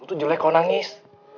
gue tuh jelek kalau nangis